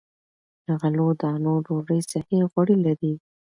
له غلو- دانو ډوډۍ صحي غوړي لري.